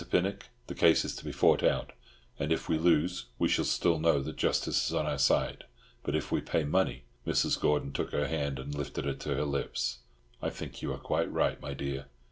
Pinnock, the case is to be fought out, and if we lose we shall still know that justice is on our side; but if we pay money—" Mrs. Gordon took her hand, and lifted it to her lips. "I think you are quite right, my dear.